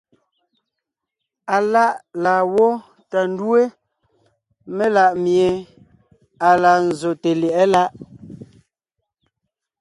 Aláʼ laa gwó tà ńdúe melaʼmie à laa nzsòte lyɛ̌ʼɛ láʼ.